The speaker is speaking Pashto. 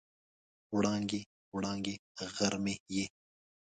وړانګې، وړانګې غر مې یې